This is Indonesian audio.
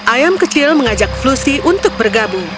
ayam kecil mengajak flusi untuk bergabung